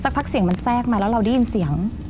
พักเสียงมันแทรกมาแล้วเราได้ยินเสียง